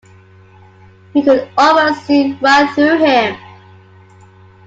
You could almost see right through him.